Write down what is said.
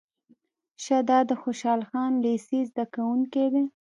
شه دا د خوشحال خان لېسې زده کوونکی دی.